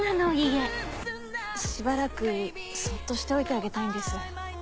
しばらくそっとしておいてあげたいんです。